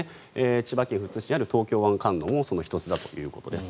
千葉県富津市にある東京湾観音もその１つだということです。